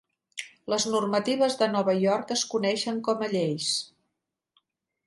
Les normatives de Nova York es coneixen com a Lleis.